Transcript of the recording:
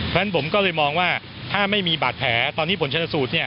เพราะฉะนั้นผมก็เลยมองว่าถ้าไม่มีบาดแผลตอนนี้ผลชนสูตรเนี่ย